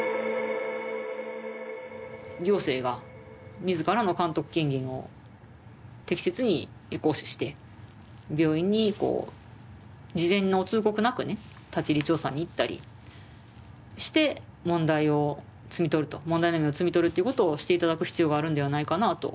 行政が自らの監督権限を適切に行使して病院にこう事前の通告なくね立ち入り調査に行ったりして問題を摘み取ると問題の芽を摘み取るということをして頂く必要があるんではないかなあと。